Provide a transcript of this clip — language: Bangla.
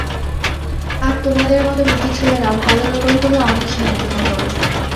আর তোদের মতো মিষ্টি ছেলেরা ভালো ব্যবহার করলে অনেক সাহায্য হবে ওর।